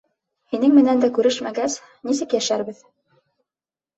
Һинең менән дә күрешмәгәс, нисек йәшәрбеҙ?